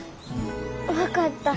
分かった。